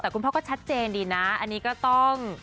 แต่คุณพ่อก็ชัดเจนดีนะอันนี้ก็ต้อง